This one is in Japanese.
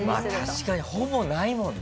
確かにほぼないもんな。